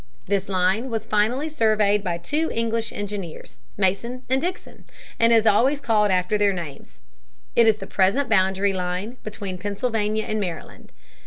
This line was finally surveyed by two English engineers, Mason and Dixon, and is always called after their names. It is the present boundary line between Pennsylvania and Maryland.